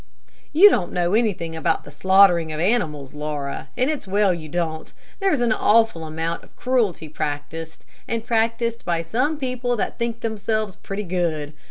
"You don't know anything about the slaughtering of animals, Laura, and it's well you don't. There's an awful amount of cruelty practised, and practised by some people that think themselves pretty good.